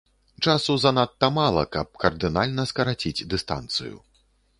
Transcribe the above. Часу занадта мала, каб кардынальна скараціць дыстанцыю.